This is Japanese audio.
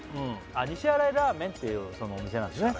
西新井らーめんっていうお店なんですね